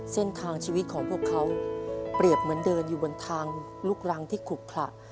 เส้นทางชีวิตของพวกเขาเปรียบเหมือนเดินอยู่บนทางลูกรังที่ขลุกขล